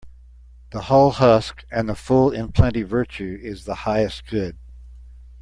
The hull husk and the full in plenty Virtue is the highest good.